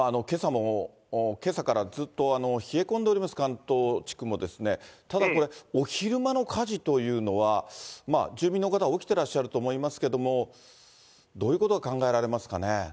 けさからずっと冷え込んでおります、関東地区もね、ただこれ、お昼間の火事というのは住民の方は起きてらっしゃると思いますけれども、どういうことが考えられますかね。